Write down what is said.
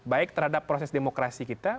baik terhadap proses demokrasi kita